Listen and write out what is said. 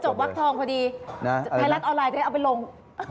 จะบอกว่ามันจบวักทองพอดีไพลัทออนไลน์ก็ได้เอาไปลง